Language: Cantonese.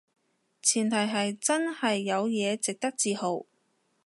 前提係真係有嘢值得自豪